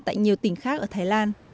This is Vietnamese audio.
tại nhiều tỉnh khác ở thái lan